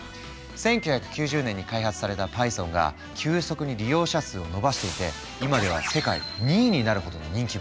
１９９０年に開発されたパイソンが急速に利用者数を伸ばしていて今では世界２位になるほどの人気ぶり。